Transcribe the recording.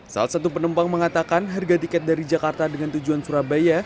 salah satu penumpang mengatakan harga tiket dari jakarta dengan tujuan surabaya